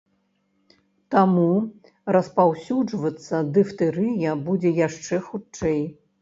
Таму распаўсюджвацца дыфтэрыя будзе яшчэ хутчэй.